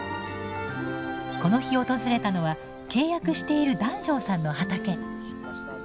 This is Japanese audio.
この日訪れたのは契約している檀上さんの畑。